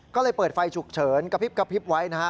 ก็เลยเปิดไฟฉุกเฉินกระพริบไว้